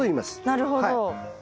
なるほど。